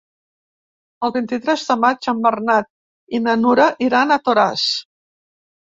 El vint-i-tres de maig en Bernat i na Nura iran a Toràs.